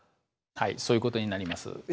はいそういうことになります。